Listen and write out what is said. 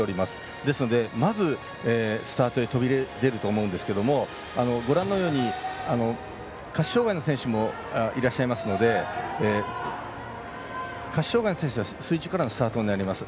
ですので、まずスタートで飛び出ると思うんですけど下肢障がいの選手もいらっしゃいますので下肢障がいの選手は水中からのスタートになります。